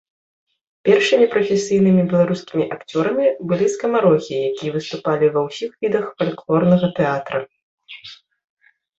Першымі прафесійнымі беларускімі акцёрамі былі скамарохі, якія выступалі ва ўсіх відах фальклорнага тэатра.